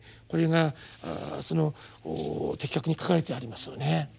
これが的確に書かれてありますよね。